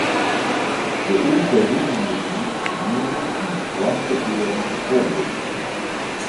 De earste rûnliedingen wiene yn de koartste kearen folboekt.